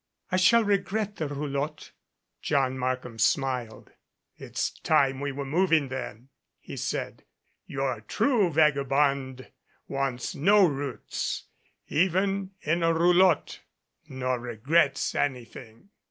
I shall regret the roulotte." John Markham smiled. "It's time we were moving, then," he said. "Your true vagabond wants no roots even in a roulotte nor re grets anything."